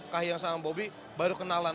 kak hiang sama bobi baru kenalan